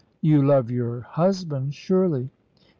"You love your husband, surely."